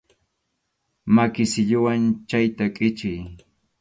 Maki silluwan chayta kʼichiy.